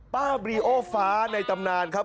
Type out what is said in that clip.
ป้าบริโจฟ้าในตำนานครับ